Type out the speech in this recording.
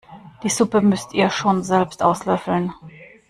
Die Suppe müsst ihr schon selbst auslöffeln!